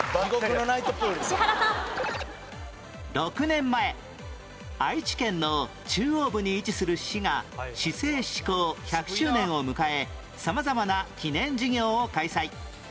６年前愛知県の中央部に位置する市が市制施行１００周年を迎え様々な記念事業を開催